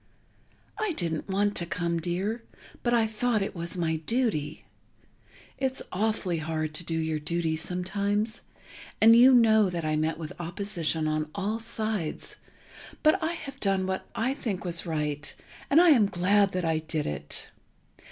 I didn't want to come, dear, but I thought it was my duty. It's awfully hard to do your duty sometimes, and you know that I met with opposition on all sides but I have done what I think was right and I am glad that I did it....